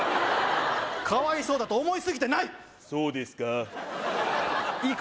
かわいそうだと思いすぎてないそうですかーいいか？